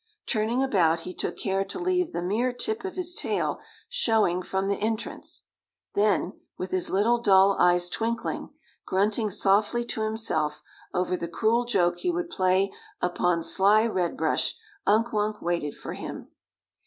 Turning about he took care to leave the mere tip of his tail showing from the entrance. Then, with his little dull eyes twinkling, grunting softly to himself over the cruel joke he would play upon sly Red Brush, Unk Wunk waited for him.